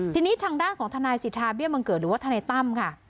ทีนี้ทางด้านของทนายสิทธาเบี้ยบังเกิดหรือว่าทนายตั้มค่ะ